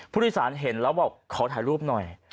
ผู้โดยสารเห็นแล้วบอกขอถ่ายรูปหน่อย